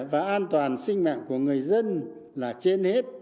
và an toàn sinh mạng của người dân là trên hết